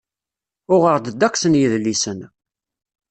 Uɣeɣ-d ddeqs n yidlisen.